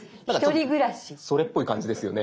それっぽい感じですよね。